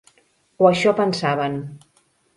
O això pensaven.